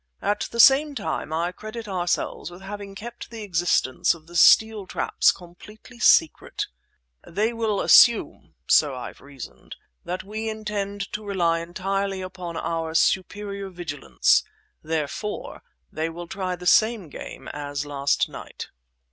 At the same time I credit ourselves with having kept the existence of the steel traps completely secret. They will assume (so I've reasoned) that we intend to rely entirely upon our superior vigilance, therefore they will try the same game as last night."